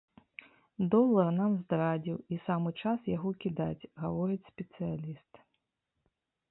Долар нам здрадзіў, і самы час яго кідаць, гаворыць спецыяліст.